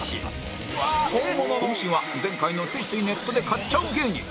今週は前回のついついネットで買っちゃう芸人